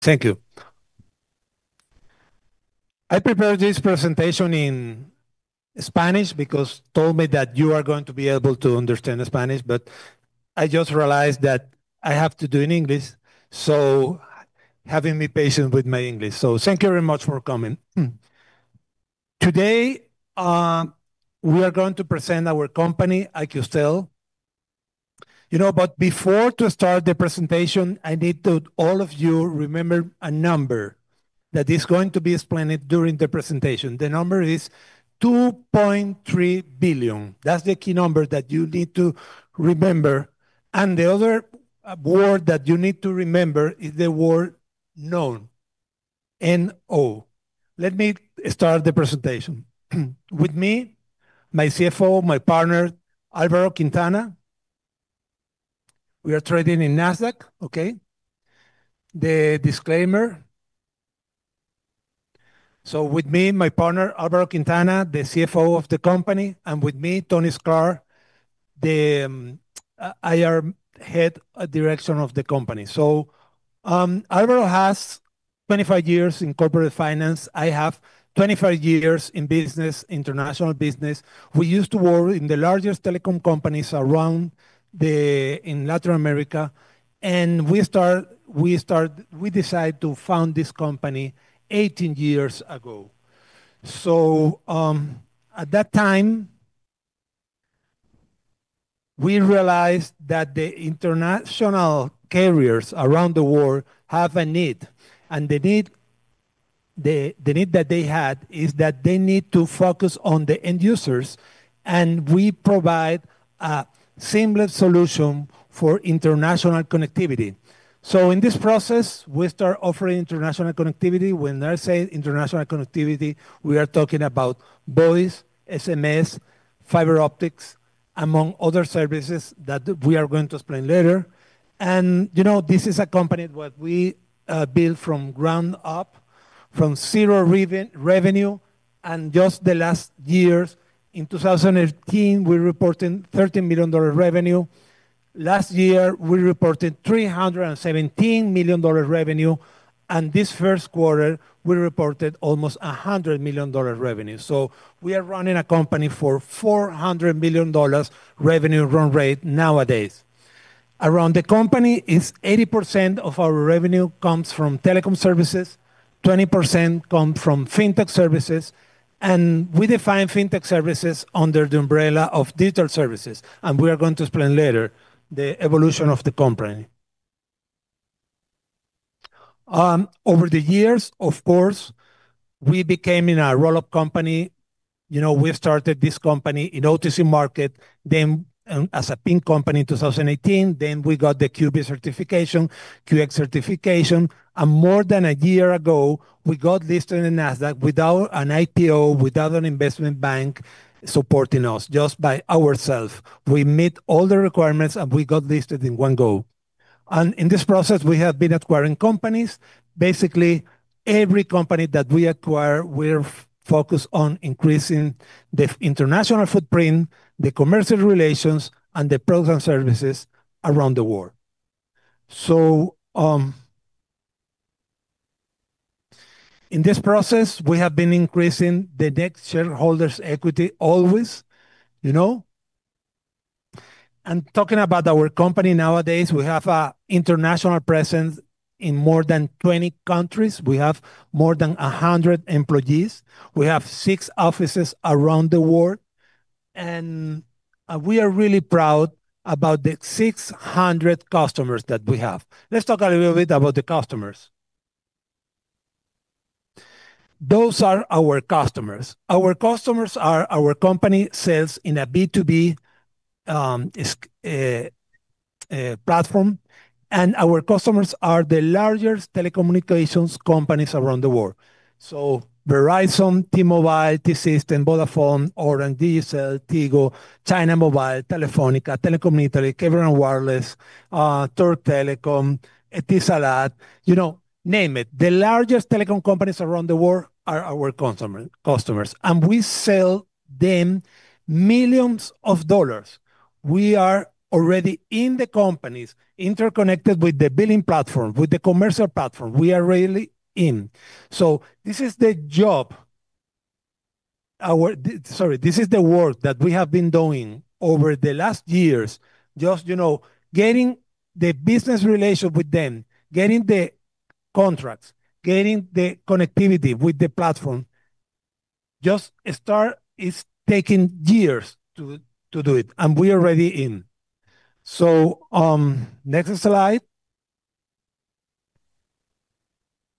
Thank you. I prepared this presentation in Spanish because told me that you are going to be able to understand Spanish, but I just realized that I have to do in English, having me patient with my English. Thank you very much for coming. Today, we are going to present our company, IQSTEL. Before to start the presentation, I need all of you remember a number that is going to be explained during the presentation. The number is 2.3 billion. That's the key number that you need to remember, and the other word that you need to remember is the word No, N-O. Let me start the presentation. With me, my CFO, my partner, Alvaro Quintana. We are trading in Nasdaq. Okay? The disclaimer. With me, my partner, Alvaro Quintana, the CFO of the company, and with me, Tony Sostre, the IR Head direction of the company. Alvaro has 25 yr in corporate finance. I have 25 yr in business, international business. We used to work in the largest telecom companies around in Latin America. We decide to found this company 18 yr ago. At that time, we realized that the international carriers around the world have a need. The need that they had is that they need to focus on the end users, and we provide a seamless solution for international connectivity. In this process, we start offering international connectivity. When I say international connectivity, we are talking about voice, SMS, fiber optics, among other services that we are going to explain later. This is a company what we build from ground up, from zero revenue, and just the last years. In 2018, we reported $30 million revenue. Last year, we reported $317 million revenue, and this first quarter, we reported almost $100 million revenue. We are running a company for $400 million revenue run rate nowadays. Around the company is 80% of our revenue comes from telecom services, 20% come from fintech services, and we define fintech services under the umbrella of digital services, and we are going to explain later the evolution of the company. Over the years, of course, we became in a roll-up company. We started this company in OTC market, then as a pink company in 2018, then we got the QB certification, QX certification, and more than a year ago, we got listed in Nasdaq without an IPO, without an investment bank supporting us, just by ourself. We met all the requirements, we got listed in one go. In this process, we have been acquiring companies. Basically, every company that we acquire, we're focused on increasing the international footprint, the commercial relations, and the program services around the world. In this process, we have been increasing the net shareholders equity always. Talking about our company nowadays, we have a international presence in more than 20 countries. We have more than 100 employees. We have six offices around the world. We are really proud about the 600 customers that we have. Let's talk a little bit about the customers. Those are our customers. Our customers are our company sales in a B2B platform, and our customers are the largest telecommunications companies around the world. Verizon, T-Mobile, T-Systems, Vodafone, Orange, Digicel, Tigo, China Mobile, Telefónica, Telecom Italia, Cable & Wireless, Türk Telekom, Etisalat. You know, name it. The largest telecom companies around the world are our customers, and we sell them millions of dollars. We are already in the companies, interconnected with the billing platform, with the commercial platform. We are really in. This is the work that we have been doing over the last years, just getting the business relationship with them, getting the contracts, getting the connectivity with the platform. Just start is taking years to do it, and we are already in. Next slide.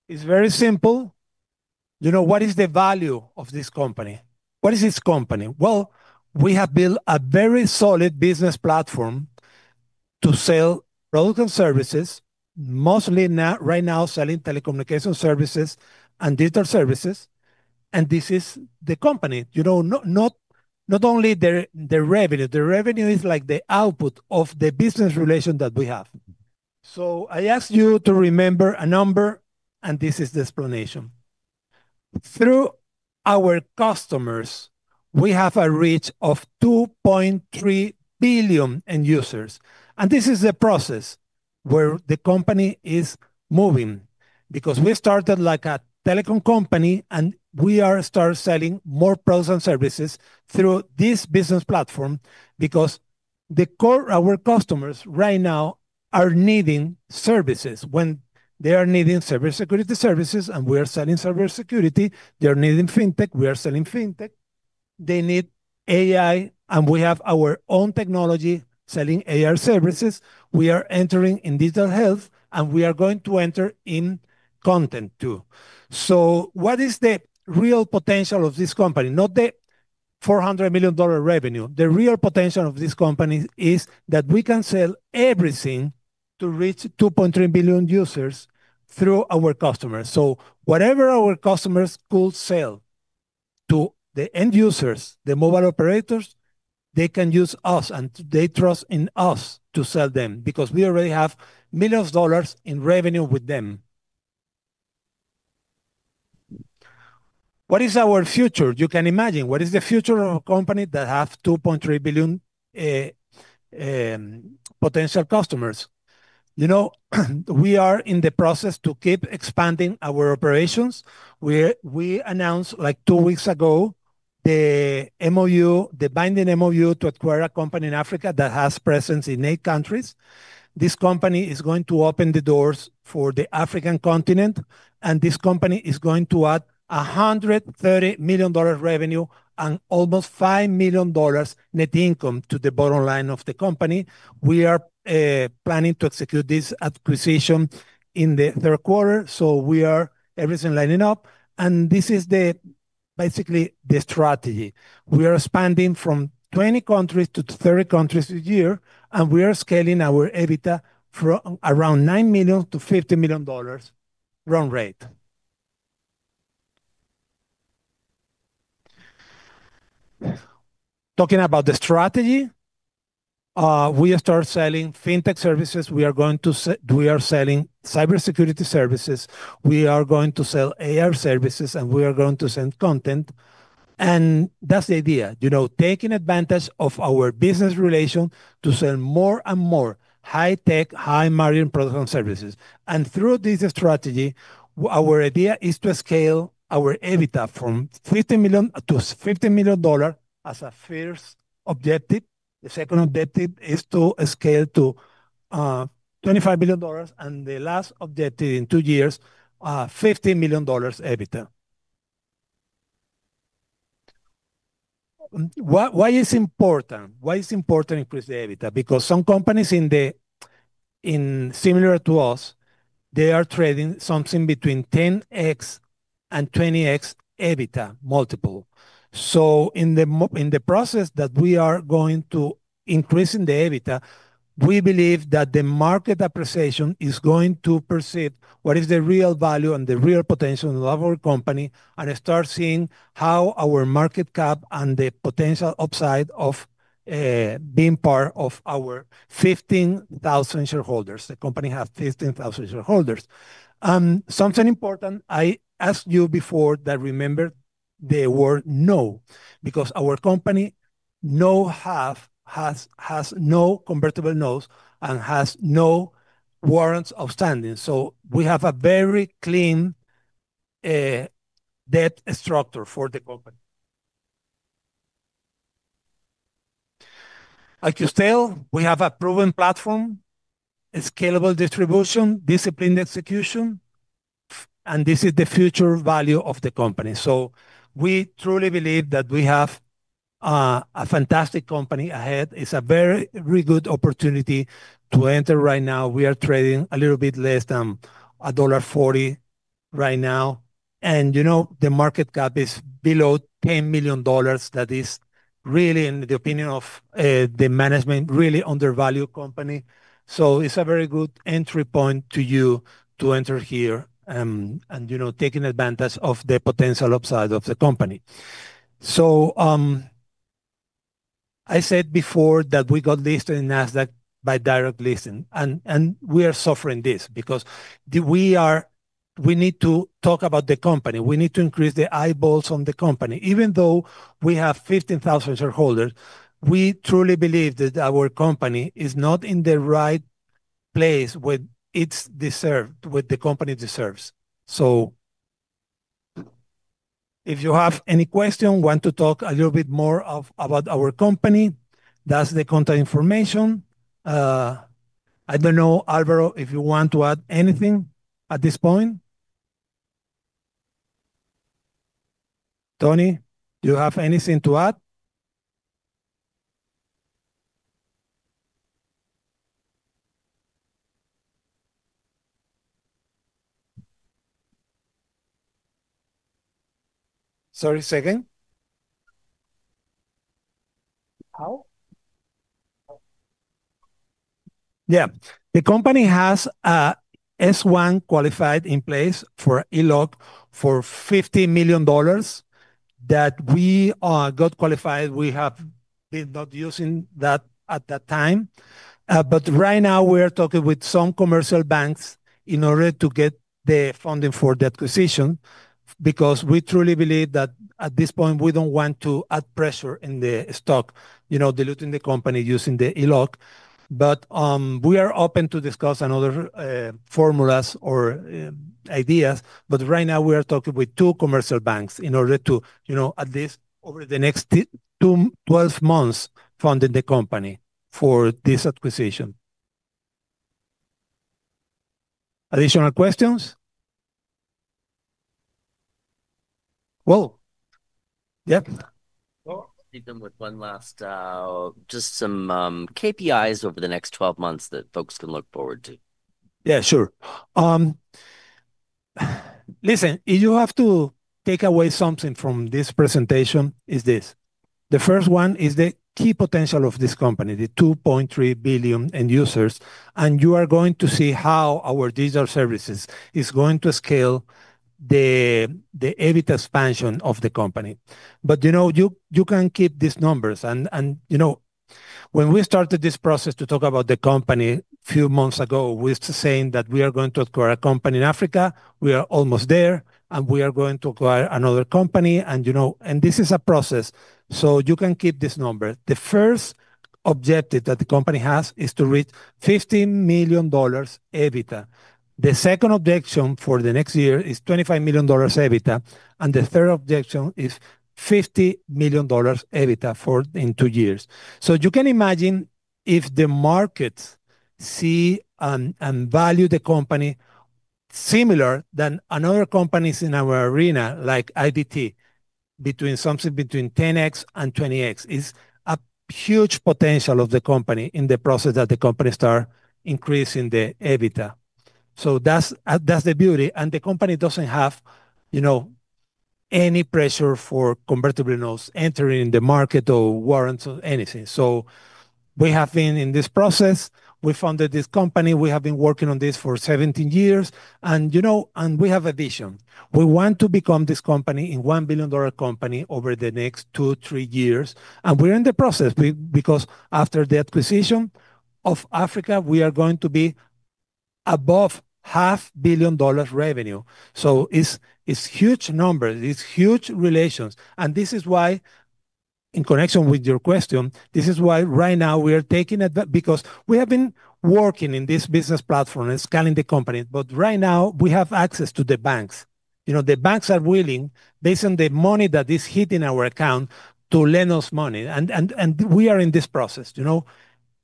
It is very simple. What is the value of this company? What is this company? Well, we have built a very solid business platform to sell product and services, mostly right now selling telecommunication services and digital services, and this is the company. Not only the revenue. The revenue is like the output of the business relation that we have. I asked you to remember a number, and this is the explanation. Through our customers, we have a reach of 2.3 billion end users. This is a process where the company is moving, because we started like a telecom company, and we are starting selling more products and services through this business platform because our customers right now are needing services. When they are needing cybersecurity services and we are selling cybersecurity. They are needing fintech, we are selling fintech. They need AI, and we have our own technology selling AI services. We are entering in digital health, and we are going to enter in content too. What is the real potential of this company? Not the $400 million revenue. The real potential of this company is that we can sell everything to reach 2.3 billion users through our customers. Whatever our customers could sell to the end users, the mobile operators, they can use us, and they trust in us to sell them, because we already have millions dollars in revenue with them. What is our future? You can imagine, what is the future of a company that have 2.3 billion potential customers? We are in the process to keep expanding our operations, where we announced two weeks ago the binding MOU to acquire a company in Africa that has presence in eight countries. This company is going to open the doors for the African continent, and this company is going to add $130 million revenue and almost $5 million net income to the bottom line of the company. We are planning to execute this acquisition in the third quarter. Everything lining up, and this is basically the strategy. We are expanding from 20 countries to 30 countries a year, and we are scaling our EBITDA from around $9 million to $50 million run rate. Talking about the strategy, we have started selling fintech services. We are selling cybersecurity services. We are going to sell AI services, and we are going to sell content, and that's the idea. Taking advantage of our business relation to sell more and more high-tech, high-margin products and services. Through this strategy, our idea is to scale our EBITDA from $50 million to $50 million as a first objective. The second objective is to scale to $25 billion. The last objective in two years, $50 million EBITDA. Why it's important? Why it's important increase the EBITDA? Some companies similar to us, they are trading something between 10x and 20x EBITDA multiple. In the process that we are going to increasing the EBITDA, we believe that the market appreciation is going to perceive what is the real value and the real potential of our company, and start seeing how our market cap and the potential upside of being part of our 15,000 shareholders. The company have 15,000 shareholders. Something important I asked you before that remember the word no, because our company has no convertible notes and has no warrants outstanding, so we have a very clean debt structure for the company. Like IQSTEL, we have a proven platform, a scalable distribution, disciplined execution, and this is the future value of the company. We truly believe that we have a fantastic company ahead. It's a very good opportunity to enter right now. We are trading a little bit less than a $1.40 right now, and the market cap is below $10 million. That is really, in the opinion of the management, really undervalued company. It's a very good entry point to you to enter here, and taking advantage of the potential upside of the company. I said before that we got listed in Nasdaq by direct listing, and we are suffering this because we need to talk about the company. We need to increase the eyeballs on the company. Even though we have 15,000 shareholders, we truly believe that our company is not in the right place with the company deserves. If you have any question, want to talk a little bit more about our company, that's the contact information. I don't know, Alvaro, if you want to add anything at this point. Tony, do you have anything to add? Sorry, say again. How? Yeah. The company has a S-1 qualified in place for ELOC for $50 million that we got qualified. We're not using that at that time. Right now we are talking with some commercial banks in order to get the funding for the acquisition, because we truly believe that at this point, we don't want to add pressure in the stock, diluting the company using the ELOC. We are open to discuss another formulas or ideas, but right now we are talking with two commercial banks in order to, at least over the next 12 months, funding the company for this acquisition. Additional questions? Well. Yep. Leave them with one last, just some KPIs over the next 12 months that folks can look forward to. Yeah, sure. Listen, if you have to take away something from this presentation is this. The first one is the key potential of this company, the 2.3 billion end users, and you are going to see how our digital services is going to scale the EBITDA expansion of the company. You can keep these numbers, and when we started this process to talk about the company few months ago, we are saying that we are going to acquire a company in Africa. We are almost there, and we are going to acquire another company, and this is a process. You can keep this number. The first objective that the company has is to reach $50 million EBITDA. The second objective for the next year is $25 million EBITDA, and the third objective is $50 million EBITDA in two years. You can imagine if the markets see and value the company similar than other companies in our arena, like IDT, something between 10x and 20x. It is a huge potential of the company in the process that the company start increasing the EBITDA. That's the beauty. The company doesn't have any pressure for convertible notes entering the market or warrants or anything. We have been in this process. We founded this company, we have been working on this for 17 years, and we have a vision. We want to become this company in $1 billion company over the next two, three years, and we are in the process because after the acquisition of Africa, we are going to be above half billion dollars revenue. It is huge numbers, it is huge relations, and this is why, in connection with your question, this is why right now we are taking because we have been working in this business platform and scaling the company. Right now we have access to the banks. The banks are willing, based on the money that is hitting our account, to lend us money, and we are in this process.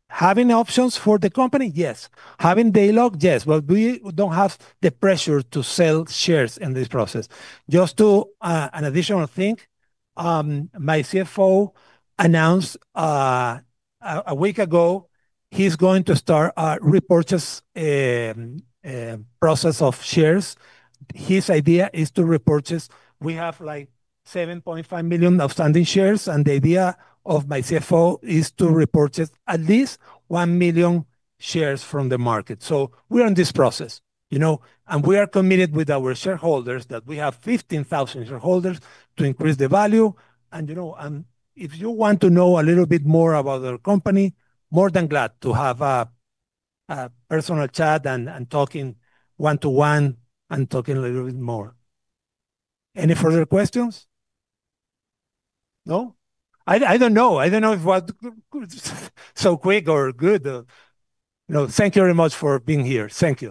Having options for the company? Yes. Having dialogue? Yes. We don't have the pressure to sell shares in this process. Just to, an additional thing, my CFO announced a week ago he is going to start a repurchase process of shares. His idea is to repurchase. We have 7.5 million outstanding shares, and the idea of my CFO is to repurchase at least one million shares from the market. We are in this process, and we are committed with our shareholders that we have 15,000 shareholders to increase the value. If you want to know a little bit more about our company, more than glad to have a personal chat and talking one-to-one and talking a little bit more. Any further questions? No? I don't know. I don't know if was so quick or good. Thank you very much for being here. Thank you.